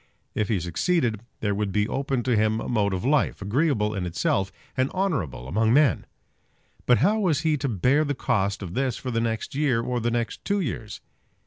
If he succeeded there would be open to him a mode of life, agreeable in itself, and honourable among men. But how was he to bear the cost of this for the next year, or the next two years?